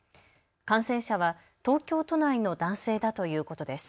感染者は東京都内の男性だということです。